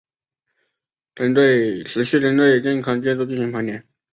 持续针对危险建筑进行盘点